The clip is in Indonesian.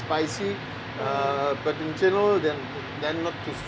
tapi secara umum mereka tidak terlalu kuat